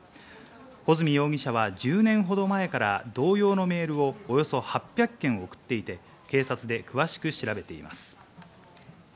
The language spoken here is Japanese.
保住容疑者は１０年ほど前から同様のメールをおよそ８００件送っていて、警察で詳しく調べています。